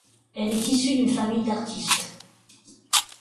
Elle est issue d’une famille d’artistes.